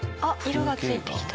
色がついてきた。